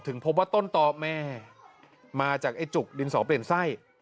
พบว่าต้นตอแม่มาจากไอ้จุกดินสองเปลี่ยนไส้